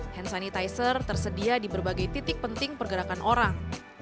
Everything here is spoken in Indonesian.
hand sanitizer tersedia di berbagai titik penting pergerakan orang